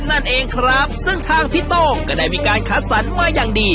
นั่นเองครับซึ่งทางพี่โต้งก็ได้มีการคัดสรรมาอย่างดี